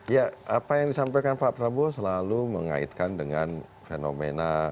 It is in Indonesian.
ya apa yang disampaikan pak prabowo selalu mengaitkan dengan fenomena